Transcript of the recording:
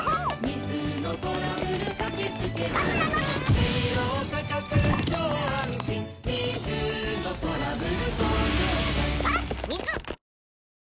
水のトラブル